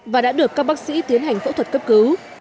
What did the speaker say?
và đã được các bác sĩ tiến hành phẫu thuật cấp cứu